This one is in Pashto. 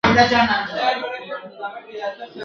د زرګونو چي یې غاړي پرې کېدلې ..